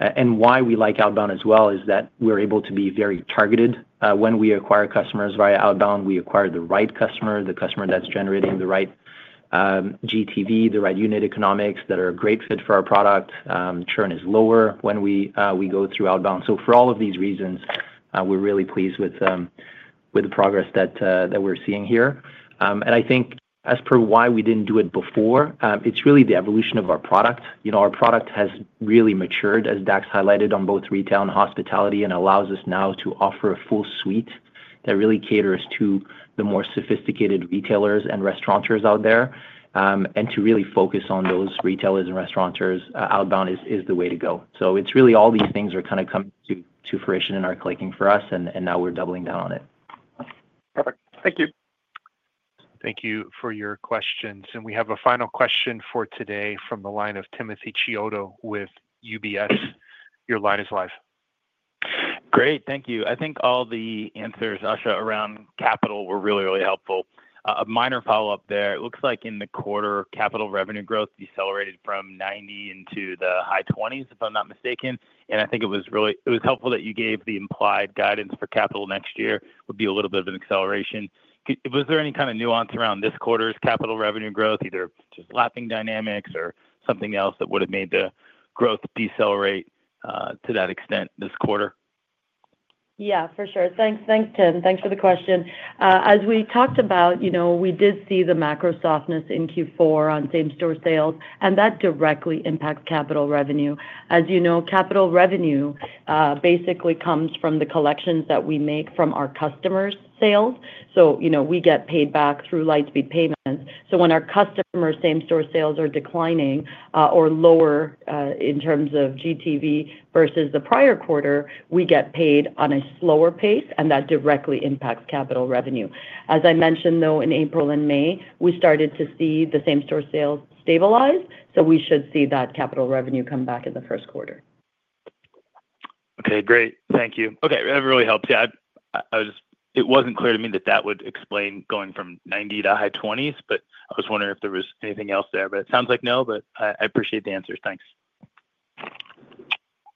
Why we like outbound as well is that we are able to be very targeted when we acquire customers via outbound. We acquire the right customer, the customer that is generating the right GTV, the right unit economics that are a great fit for our product. Churn is lower when we go through outbound. For all of these reasons, we're really pleased with the progress that we're seeing here. I think as per why we didn't do it before, it's really the evolution of our product. Our product has really matured, as Dax highlighted on both retail and hospitality, and allows us now to offer a full suite that really caters to the more sophisticated retailers and restauranteurs out there. To really focus on those retailers and restauranteurs, outbound is the way to go. All these things are kind of coming to fruition and are clicking for us, and now we're doubling down on it. Perfect. Thank you. Thank you for your questions. We have a final question for today from the line of Timothy Chiodo with UBS. Your line is live. Great. Thank you. I think all the answers, Asha, around capital were really, really helpful. A minor follow-up there. It looks like in the quarter, capital revenue growth decelerated from 90% into the high 20s, if I'm not mistaken. I think it was helpful that you gave the implied guidance for capital next year would be a little bit of an acceleration. Was there any kind of nuance around this quarter's capital revenue growth, either just lapping dynamics or something else that would have made the growth decelerate to that extent this quarter? Yeah, for sure. Thanks, Tim. Thanks for the question. As we talked about, we did see the macro softness in Q4 on same-store sales, and that directly impacts capital revenue. As you know, capital revenue basically comes from the collections that we make from our customers' sales. We get paid back through Lightspeed Payments. When our customers' same-store sales are declining or lower in terms of GTV versus the prior quarter, we get paid on a slower pace, and that directly impacts capital revenue. As I mentioned, though, in April and May, we started to see the same-store sales stabilize, so we should see that capital revenue come back in the first quarter. Okay. Great. Thank you. Okay. That really helps. Yeah. It was not clear to me that that would explain going from 90 to high 20s, but I was wondering if there was anything else there. It sounds like no, but I appreciate the answers. Thanks.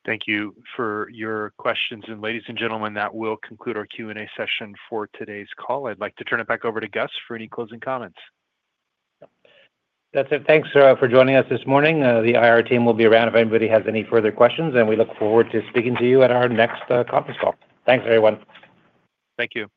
Thank you for your questions. Ladies and gentlemen, that will conclude our Q&A session for today's call. I would like to turn it back over to Gus for any closing comments. That is it. Thanks for joining us this morning. The IR team will be around if anybody has any further questions, and we look forward to speaking to you at our next conference call. Thanks, everyone. Thank you.